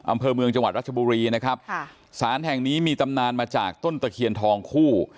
อำเภอเมืองจังหวัดรัชบุรีนะครับค่ะสารแห่งนี้มีตำนานมาจากต้นตะเคียนทองคู่